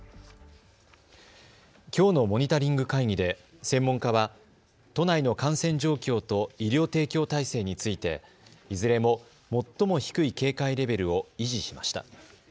きょうのモニタリング会議で専門家は都内の感染状況と医療提供体制についていずれも最も低い警戒レベルを維持しました。